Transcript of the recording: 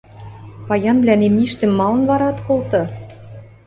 Паянвлӓн имништӹм малын вара ат колты?..